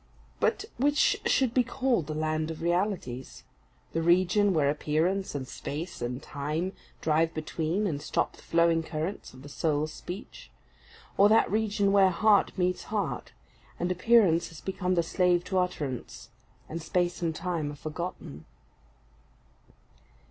But which should be called the land of realities? the region where appearance, and space, and time drive between, and stop the flowing currents of the soul's speech? or that region where heart meets heart, and appearance has become the slave to utterance, and space and time are forgotten?